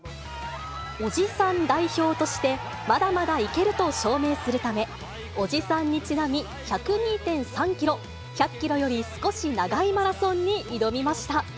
おじさん代表としてまだまだいけると証明するため、おじさんにちなみ、１０２．３キロ、１００キロより少し長いマラソンに挑みました。